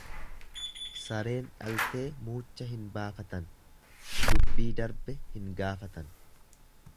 Sareen dhaltee mucha hin baafatan, dubbii darbe hin gaafatan.